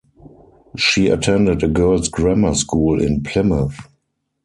She attended a girls' grammar school in Plymouth.